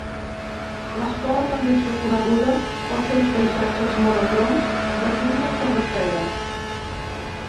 L'escola també és reconeguda pels seus paisatges monocroms de tinta sobre seda.